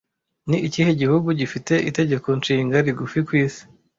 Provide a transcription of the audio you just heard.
Ni ikihe gihugu gifite Itegeko Nshinga rigufi ku isi